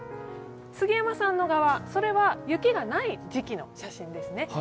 杉山さん側は、雪がない時期の写真ですね。